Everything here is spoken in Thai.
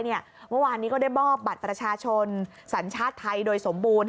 เมื่อวานนี้ก็ได้มอบบัตรประชาชนสัญชาติไทยโดยสมบูรณ